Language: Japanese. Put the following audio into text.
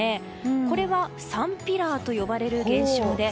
これはサンピラーと呼ばれる現象です。